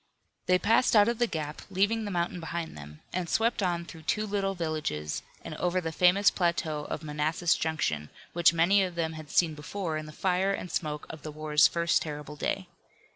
They passed out of the gap, leaving the mountain behind them, and swept on through two little villages, and over the famous plateau of Manassas Junction which many of them had seen before in the fire and smoke of the war's first terrible day.